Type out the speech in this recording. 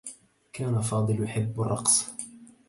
كان فاضل يحبّ الرّقص.